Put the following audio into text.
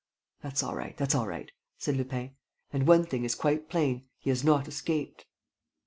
"That's all right, that's all right," said Lupin. "And one thing is quite plain: he has not escaped."